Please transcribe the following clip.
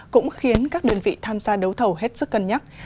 cũng khiến các đơn vị tham gia đấu thầu hết sức cân nhắc